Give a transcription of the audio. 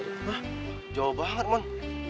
hah jauh banget man